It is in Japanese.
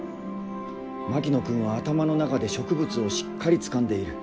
槙野君は頭の中で植物をしっかりつかんでいる。